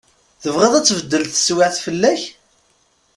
Tebɣiḍ ad tbeddel teswiɛt fell-ak?